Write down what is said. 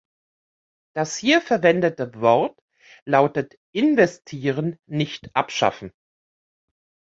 Das hier verwendete Wort lautet "investieren", nicht "abschaffen".